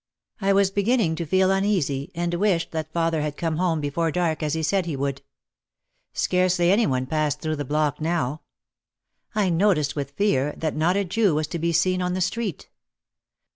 I was beginning to feel uneasy and wished that father had come home before dark, as he said he would. Scarcely any one passed through the block now. I noticed with fear that not a Jew was to be seen on the street.